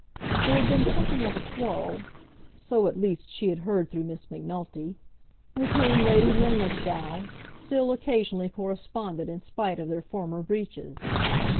There had been something of a quarrel, so, at least, she had heard through Miss Macnulty, with whom Lady Linlithgow still occasionally corresponded in spite of their former breaches.